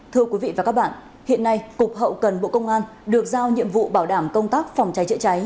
thưa quý vị và các bạn hiện nay cục hậu cần bộ công an được giao nhiệm vụ bảo đảm công tác phòng cháy chữa cháy